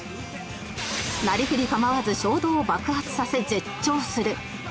なりふり構わず衝動を爆発させ絶頂する